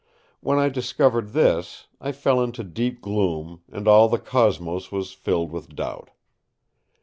When I discovered this, I fell into deep gloom and all the Cosmos was filled with doubt.